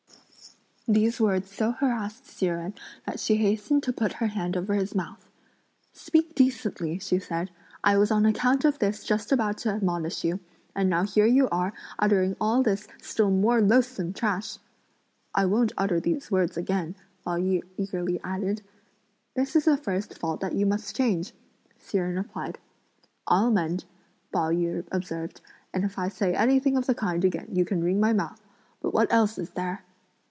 These words so harassed Hsi Jen that she hastened to put her hand over his mouth. "Speak decently," she said; "I was on account of this just about to admonish you, and now here you are uttering all this still more loathsome trash." "I won't utter these words again," Pao yü eagerly added. "This is the first fault that you must change," Hsi Jen replied. "I'll amend," Pao yü observed, "and if I say anything of the kind again you can wring my mouth; but what else is there?"